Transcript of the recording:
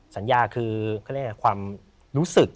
สัญญาคือความรู้สึก